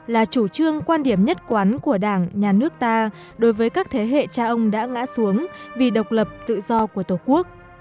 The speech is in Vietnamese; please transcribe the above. là chủ trương quan điểm nhất quán của đảng nhà nước ta đối với các thế hệ cha ông đã ngã xuống vì độc lập tự do của tổ quốc